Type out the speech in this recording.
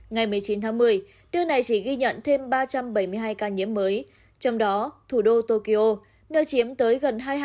ngày một mươi chín tháng một mươi nước này chỉ ghi nhận thêm ba trăm bảy mươi hai ca nhiễm mới trong đó thủ đô tokyo nơi chiếm tới gần hai mươi